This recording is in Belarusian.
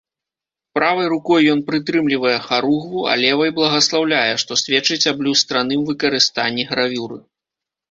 Правай рукой ён прытрымлівае харугву, а левай благаслаўляе, што сведчыць аб люстраным выкарыстанні гравюры.